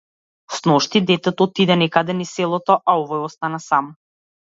Сношти детето отиде некаде низ селото, а овој остана сам.